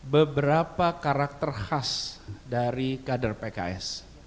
beberapa karakter khas dari kader pks